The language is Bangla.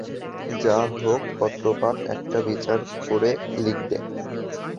যা হোক, পত্রপাট একটা বিচার করে লিখবে।